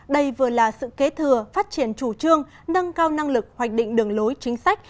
đây vừa là sự kế thừa phát triển chủ trương nâng cao năng lực hoạch định đường lối chính sách